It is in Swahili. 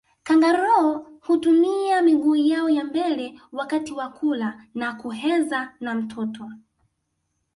Kangaroo hutumia miguu yao ya mbele wakati wa kula na kuheza na mtoto